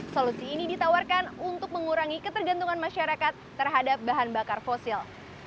solusi ini ditawarkan untuk mengurangi ketergantungan masyarakat terhadap bahan bakar fosil